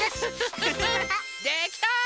できた！